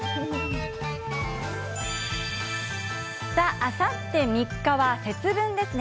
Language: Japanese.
あさって３日は節分ですね。